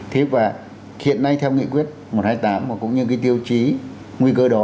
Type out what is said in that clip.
thế và hiện nay theo nghị quyết một trăm hai mươi tám và cũng như cái tiêu chí nguy cơ đó